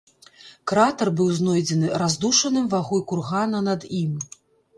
Кратар быў знойдзены раздушаным вагой кургана над ім.